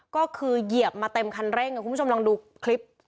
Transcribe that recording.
ก็คือเหยียบมาเต็มคันเร่งคุณผู้ชมลองดูคลิป